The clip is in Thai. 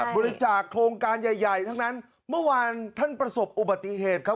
บริจาคโครงการใหญ่ใหญ่ทั้งนั้นเมื่อวานท่านประสบอุบัติเหตุครับ